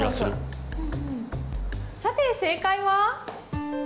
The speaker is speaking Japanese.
さて正解は？